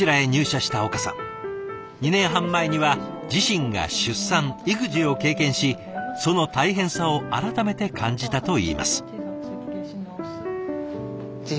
２年半前には自身が出産育児を経験しその大変さを改めて感じたといいます。